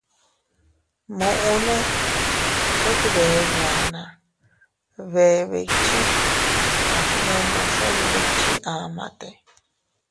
Muʼune tet bee yanna, bee bikchi, agnenose ndikchi amate.